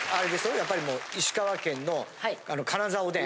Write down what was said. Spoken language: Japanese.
やっぱりもう石川県の金沢おでん。